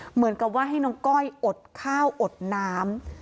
เหมือนกับว่าให้น้องก้อยอดข้าวอดน้ำ